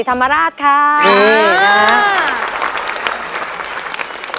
ธรรมราชคะสวัสดีนะครับ